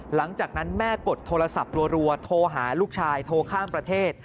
หลังจากนั้นแม่กดโทรศัพท์รัวโทรหาลูกชายโทรข้ามประเทศ